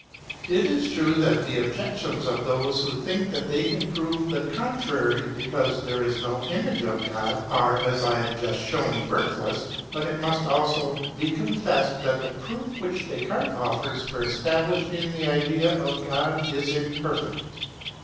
It is true that the objections of those who think that they can prove the contrary because there is no image of God are as I have just shown worthless ; but it must also be con fessed that the proof which Descartes offers for establishing the idea of God is imperfect.